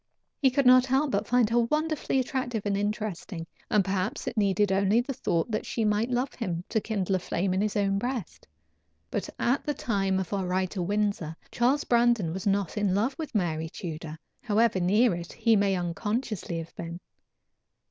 He could not help but find her wonderfully attractive and interesting, and perhaps it needed only the thought that she might love him, to kindle a flame in his own breast. But at the time of our ride to Windsor, Charles Brandon was not in love with Mary Tudor, however near it he may unconsciously have been.